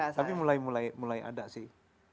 tapi mulai mulai ada sih